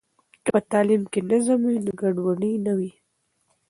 که په تعلیم کې نظم وي، نو ګډوډي نه وي.